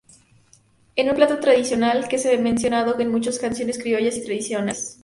Es un plato tradicional que es mencionado en muchas canciones criollas tradicionales.